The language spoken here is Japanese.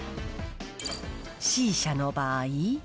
Ｃ社の場合。